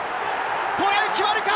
トライ決まるか？